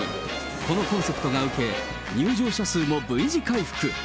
このコンセプトが受け、入場者数もＶ字回復。